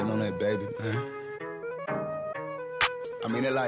di acara kita ada games lah